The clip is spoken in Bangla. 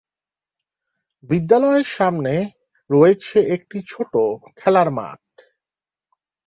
বিদ্যালয়ের সামনে রয়েছে একটি ছোট খেলার মাঠ।